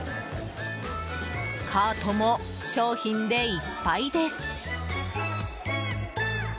カートも商品でいっぱいです。